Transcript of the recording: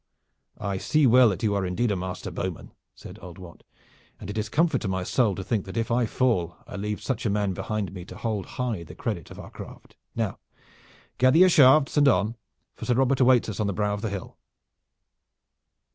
"I see well that you are indeed a master bowman," said old Wat, "and it is comfort to my soul to think that if I fall I leave such a man behind me to hold high the credit of our craft. Now gather your shafts and on, for Sir Robert awaits us on the brow of the hill."